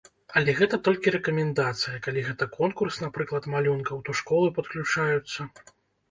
Але гэта толькі рэкамендацыя, калі гэта конкурс, напрыклад, малюнкаў, то школы падключаюцца.